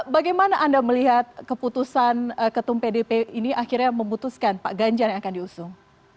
bagaimana anda melihat keputusan ketum pdp ini akhirnya memutuskan pak ganjar yang akan diusung